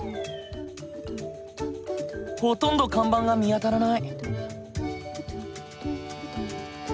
ほとんど看板が見当たらない。